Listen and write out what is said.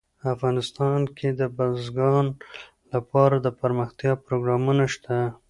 افغانستان کې د بزګان لپاره دپرمختیا پروګرامونه شته.